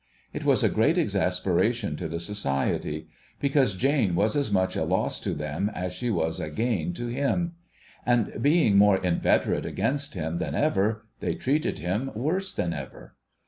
It was a great exasperation to the Society, because Jane was as much a loss to them as she was a gain to him ; and being more inveterate against him than ever, they treated him worse than ever.